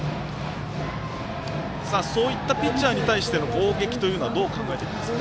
そういったピッチャーに対しての攻撃というのはどう考えていますか。